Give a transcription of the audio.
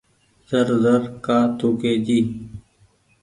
زر زر ڪآ ٿوُڪي جي۔